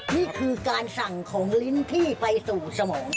นี่คือการสั่งของลิ้นที่ไปสู่สมอง